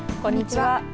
こんにちは。